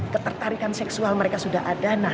ketertarikan seksual mereka sudah ada